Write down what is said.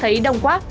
thấy đông quá